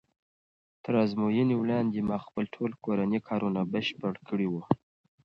تر ازموینې وړاندې ما خپل ټول کورني کارونه بشپړ کړي وو.